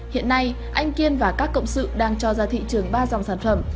hiện nay anh kiên và các cộng sự đang cho ra thị trường ba dòng sản phẩm